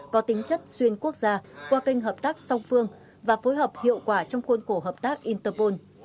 có tính chất xuyên quốc gia qua kênh hợp tác song phương và phối hợp hiệu quả trong khuôn khổ hợp tác interpol